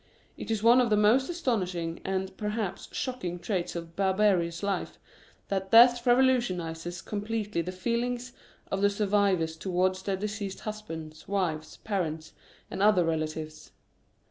It is one of the most astonishing, and, perhaps, shocking traits of barbarous life, that death revolutionises completely the feelings of the survivors towards their deceased husbands, wives, parents, and other re latives.